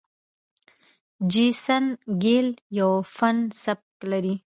جیسن ګیل یو فن سبک لري.